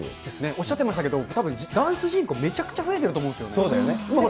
おっしゃってましたけれども、ダンス人口、めちゃくちゃ増えてそうだよね。